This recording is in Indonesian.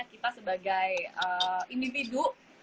kita sebagai individu